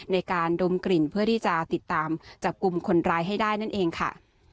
ในการดมกลิ่นเพื่อที่จะติดตามจับกลุ่มคนร้ายให้ได้นั่นเองค่ะ